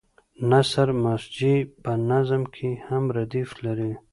نثر مسجع په نظم کې هم ردیف لري.